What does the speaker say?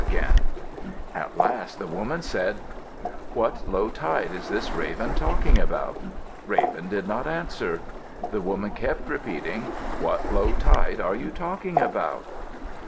Nowell_] At last the woman said, "What low tide is this Raven talking about?" Raven did not answer. The woman kept repeating, "What low tide are you talking about?"